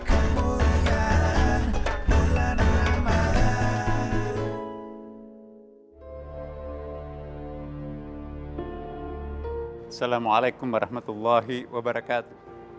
assalamualaikum warahmatullahi wabarakatuh